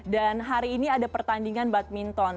hari ini ada pertandingan badminton